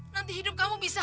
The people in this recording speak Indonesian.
nanti hidup kamu bisa